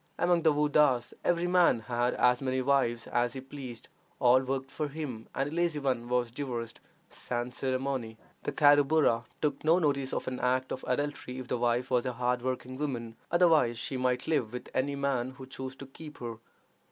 Among the Woddas every man had as many wives as he pleased; all worked for him, and a lazy one was divorced sans ceremonie. The Carruburru took no notice of an act of adultery if the wife was a hard working woman; otherwise she might live with any man who chose to keep her.